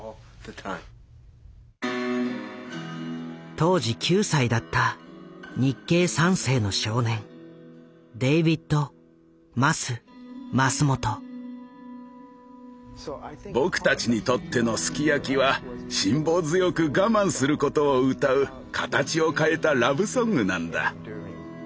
当時９歳だった日系三世の少年僕たちにとっての「ＳＵＫＩＹＡＫＩ」は辛抱強く我慢することを歌う形を変えたラブソングなんだ。